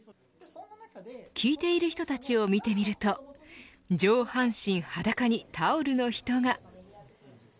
聞いている人たちを見てみると上半身裸にタオルの人が。